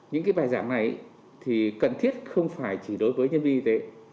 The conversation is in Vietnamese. những bài giảng này thì cần thiết không phải chỉ đối với nhân viên y tế